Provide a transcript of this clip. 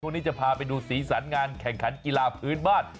นี้จะพาไปดูสีสันงานแข่งขันกีฬาพื้นบ้าน